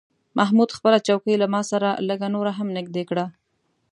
محمود خپله چوکۍ له ما سره لږه نوره هم نږدې کړه.